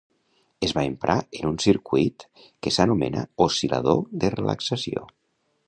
Es va emprar en un circuit que s'anomena oscil·lador de relaxació.